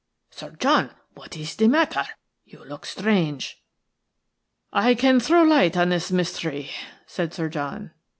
Sir John, what is the matter? – You look strange." "I can throw light on this mystery," said Sir John.